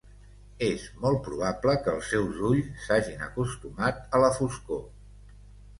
És molt probable que els seus ulls s'hagin acostumat a la foscor.